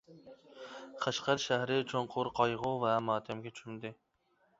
قەشقەر شەھىرى چوڭقۇر قايغۇ ۋە ماتەمگە چۆمدى.